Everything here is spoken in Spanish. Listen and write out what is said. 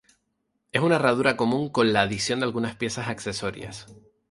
Es una herradura común con la adición de algunas piezas accesorias.